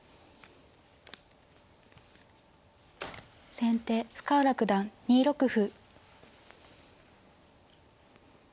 先手深浦九段２六歩。